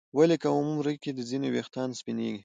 ولې کم عمر کې د ځینو ويښتان سپینېږي؟